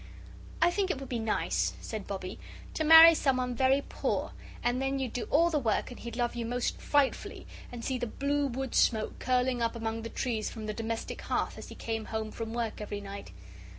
"I think it would be nice," said Bobbie, "to marry someone very poor, and then you'd do all the work and he'd love you most frightfully, and see the blue wood smoke curling up among the trees from the domestic hearth as he came home from work every night.